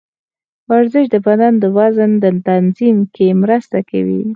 ورزش د بدن د وزن تنظیم کې مرسته کوي.